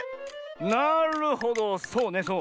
なるほどそうねそう。